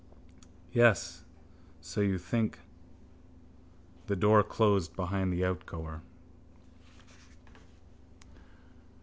—Yes. So you think... The door closed behind the outgoer.